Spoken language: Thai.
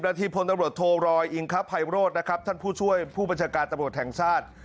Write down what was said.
๑๐นาทีพลโทรอิงคับไพโรธท่านผู้ช่วยผู้บัญชกาตรแถงชาติ